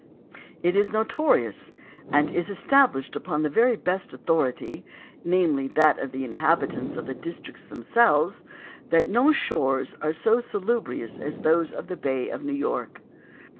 It is notorious, and is established upon the very best authority, namely, that of the inhabitants of the districts themselves, that no shores are so salubrious as those of the bay of New York.